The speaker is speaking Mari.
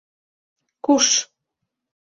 Куш?